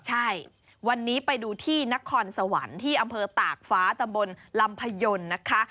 ใช่วันนี้ไปดูที่นครสวรรค์ที่อำเภอตากฟ้าตำบลลำพยนต์นะคะ